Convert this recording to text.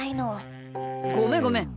ごめんごめん。